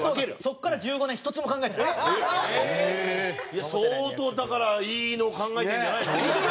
いや相当だからいいの考えてるんじゃないの？